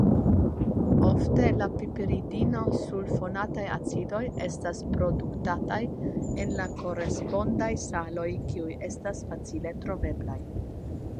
Ofte la piperidinosulfonataj acidoj estas produktataj el la korespondaj saloj kiuj estas facile troveblaj.